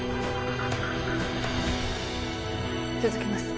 続けます。